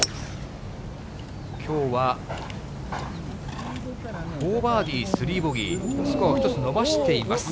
きょうは４バーディー３ボギー、スコアを１つ伸ばしています。